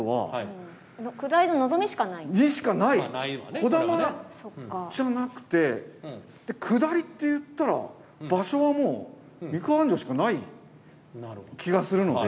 こだまじゃなくてで下りっていったら場所はもう三河安城しかない気がするので。